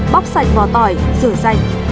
bóc sạch vỏ tỏi rửa sạch